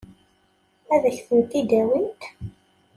Ad k-tent-id-awint?